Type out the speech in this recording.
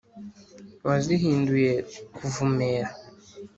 wazihinduye kuvumera,.